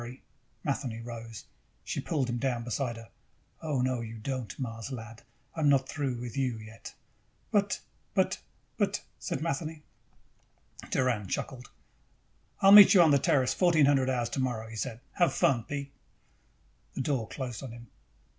Matheny rose. She pulled him down beside her. "Oh, no, you don't, Mars lad. I'm not through with you yet!" "But, but, but," said Matheny. Doran chuckled. "I'll meet you on the Terrace at fourteen hundred hours tomorrow," he said. "Have fun, Pete." The door closed on him.